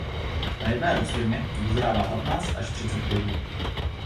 Na jedné rostlině dozrává patnáct až třicet plodů.